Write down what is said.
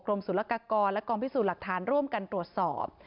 สุรกากรและกองพิสูจน์หลักฐานร่วมกันตรวจสอบ